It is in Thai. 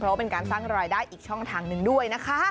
เพราะว่าเป็นการสร้างรายได้อีกช่องทางหนึ่งด้วยนะคะ